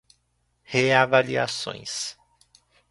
reavaliações